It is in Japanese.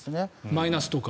マイナスとか？